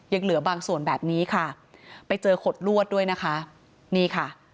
ยังเหลือบางส่วนแบบนี้ค่ะไปเจอขดลวดด้วยนะคะนี่ค่ะ